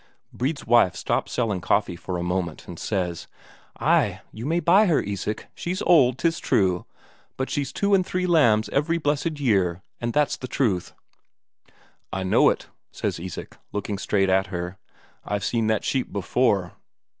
Brede's wife stops selling coffee for a moment, and says: "Ay, you may buy her, Isak; she's old, 'tis true, but she's two and three lambs every blessed year, and that's the truth." "I know it," said Isak, looking straight at her. "I've seen that sheep before."